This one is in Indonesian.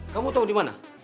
kamu tau dimana